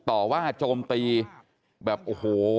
ต่อว่าโจมตีแบบโอ้โห